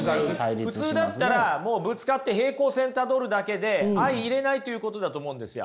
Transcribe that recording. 普通だったらもうぶつかって平行線たどるだけで相いれないということだと思うんですよ。